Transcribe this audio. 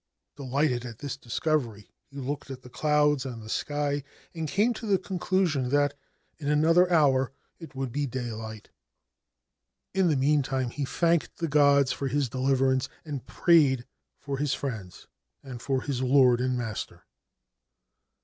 Delighted at this discovery, he looked at the clouds and the sky, and came to the conclusion that in another hour it would be daylight. In the meantime he thanked the gods for his deliverance, and prayed for his friends and for his lord and master.